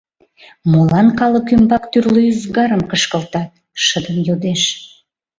— Молан калык ӱмбак тӱрлӧ ӱзгарым кышкылтат? — шыдын йодеш.